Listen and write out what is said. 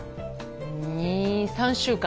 ２３週間。